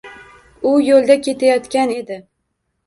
U yoʻlda ketayotgan edi.